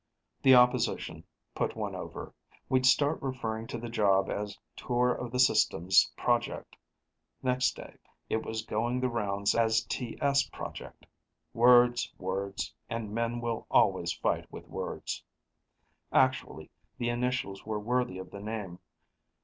The opposition put one over; we'd started referring to the job as Tour of the System Project. Next day, it was going the rounds as TS project. Words, words, and men will always fight with words. Actually, the initials were worthy of the name.